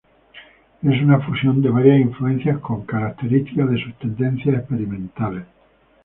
Es una fusión de varias influencias con características de sus tendencias experimentales.